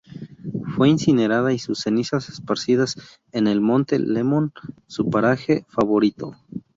Fue incinerada y sus cenizas esparcidas en el Monte Lemmon, su paraje favorito.